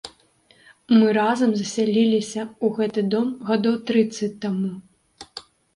Мы разам засяляліся ў гэты дом гадоў трыццаць таму.